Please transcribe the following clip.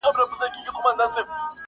که حساب دی.!